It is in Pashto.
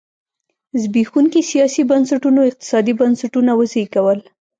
زبېښونکي سیاسي بنسټونو اقتصادي بنسټونه وزېږول.